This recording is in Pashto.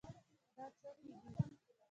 دا څو کیږي؟